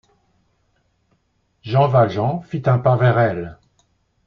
Jean Valjean fit un pas vers elle.